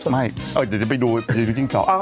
ไม่เออเดี๋ยวจะไปดูจิ๊งเฉา